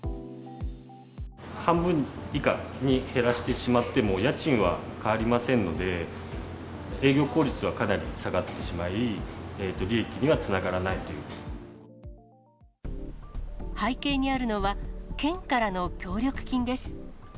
半分以下に減らしてしまっても、家賃は変わりませんので、営業効率はかなり下がってしまい、背景にあるのは、県からの協力金です。